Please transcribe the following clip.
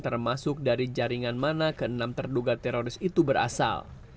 termasuk dari jaringan mana ke enam terduga teroris itu berasal